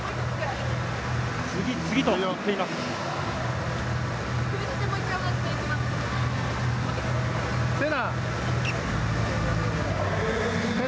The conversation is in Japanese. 次、次と言っています。